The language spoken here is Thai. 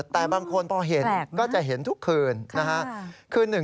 แต่บางคนพอเห็นก็จะเห็นทุกคืนนะฮะ